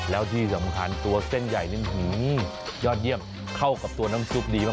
แล้วที่สำคัญตัวเส้นใหญ่นี่ยอดเยี่ยมเข้ากับตัวน้ำซุปดีมาก